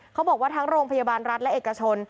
เขาบอกว่าทั้งโรงพยาบาลรัฐและเอกชน